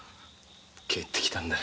帰って来たんだ。